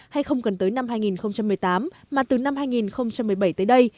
hay không cần tới năm hai nghìn một mươi tám mà từ năm hai nghìn một mươi bảy tới đây